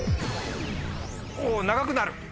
おぉ長くなる。